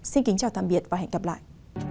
xin kính chào tạm biệt và hẹn gặp lại